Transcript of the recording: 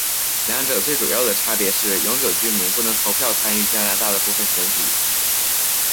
两者最主要的差别是永久居民不能投票参与加拿大的部分选举。